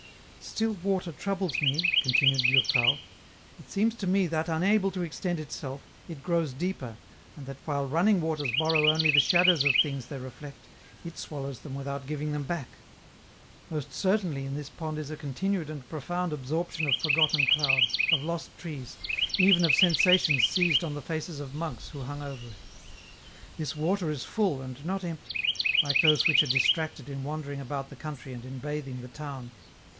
" Still water troubles me," continued Durtal. " It seems to me that unable to extend itself, it grows deeper, and that while running waters borrow only the shadows of things they reflect, it swallows them without giving them back. Most certainly in this pond is a continued and profound absorption of forgotten clouds, of lost trees, even of sensations seized on the faces of monks who hung over it. This water is full, and not empty, like those which are distracted in wandering about the country and in bathing the towns.